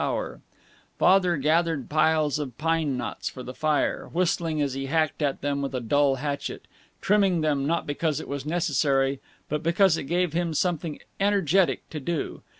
Father gathered piles of pine knots for the fire, whistling as he hacked at them with a dull hatchet trimming them, not because it was necessary, but because it gave him something energetic to do.